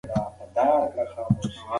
ماشومان د راتلونکي نسل جوړونکي دي.